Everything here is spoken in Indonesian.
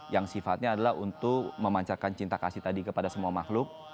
yang sifatnya adalah untuk memancarkan cinta kasih tadi kepada semua makhluk